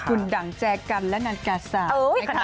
หุ่นดังแจกรรมและนักการศาสตร์